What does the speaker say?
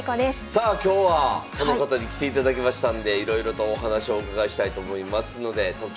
さあ今日はこの方に来ていただきましたんでいろいろとお話をお伺いしたいと思いますので特集まいりましょう。